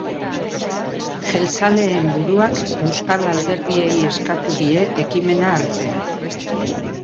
Jeltzaleen buruak euskal alderdiei eskatu die ekimena hartzea.